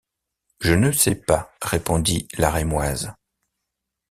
Je ne sais pas, répondit la rémoise.